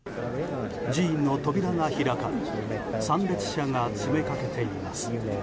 寺院の扉が開かれ参列者が詰めかけています。